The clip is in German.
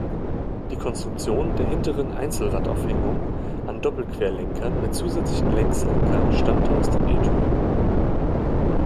Die Konstruktion der hinteren Einzelradaufhängung an Doppelquerlenkern mit zusätzlichen Längslenkern stammte aus dem E-Type.